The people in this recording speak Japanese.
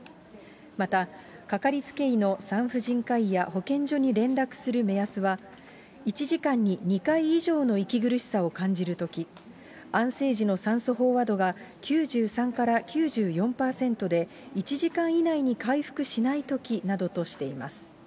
また、掛かりつけ医の産婦人科医や保健所に連絡する目安は、１時間に２回以上の息苦しさを感じるとき、安静時の酸素飽和度が９３から９４％で１時間以内に回復しないときなどとしています。